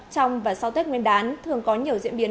trong và sau tết nguyên đán thường có nhiều diễn biến